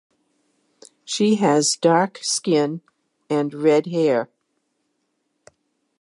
She has dark skin and red hair.